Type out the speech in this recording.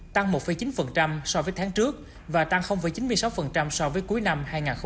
tăng một chín so với tháng trước và tăng chín mươi sáu so với cuối năm hai nghìn một mươi tám